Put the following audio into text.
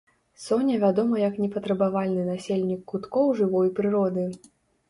Соня вядома як непатрабавальны насельнік куткоў жывой прыроды.